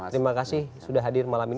terima kasih sudah hadir malam ini